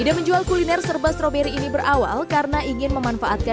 ide menjual kuliner serba stroberi ini berawal karena ingin memanfaatkan